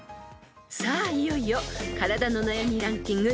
［さあいよいよ体の悩みランキング